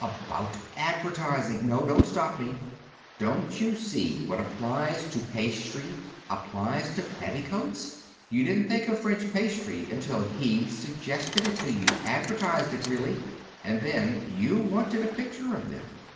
"About advertising. No, don't stop me. Don't you see that what applies to pastry applies to petticoats? You didn't think of French pastry until he suggested it to you advertised it, really. And then you wanted a picture of them.